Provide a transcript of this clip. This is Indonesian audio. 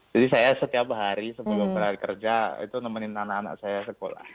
jadi saya setiap hari sebelum berada kerja itu nemenin anak anak saya sekolah